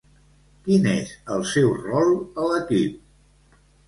Quin és el seu rol a l'equip?